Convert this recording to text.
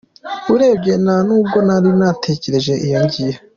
Urebye nta n’ubwo nari natekereje iyo ngiyo.